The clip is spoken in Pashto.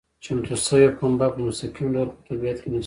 چمتو شوې پنبه په مستقیم ډول په طبیعت کې نشته.